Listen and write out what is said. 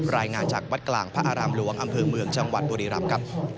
รายงานจากวัดกลางพระอารามหลวงอำเภอเมืองจังหวัดบุรีรำครับ